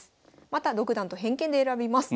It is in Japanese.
また独断と偏見で選びます。